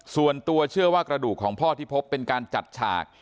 ส่วนตัวเชื่อว่ากระดูกของพ่อที่พบเป็นการจัดฉาก